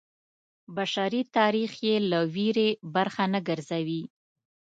بشري تاریخ یې له ویرې برخه نه ګرځوي.